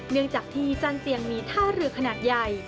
เนื่องจากที่จันเตียงมีท่าเรือขนาดใหญ่